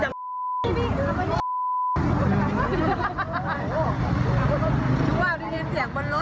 ชื่อว่าที่เห็นเสียงบนรถนะครับ